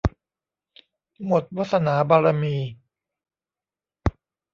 หมดวาสนาบารมี